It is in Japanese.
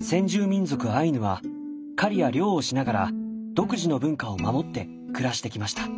先住民族アイヌは狩りや漁をしながら独自の文化を守って暮らしてきました。